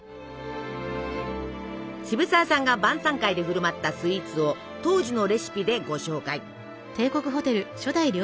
渋沢さんが晩さん会で振る舞ったスイーツを当時のレシピでご紹介！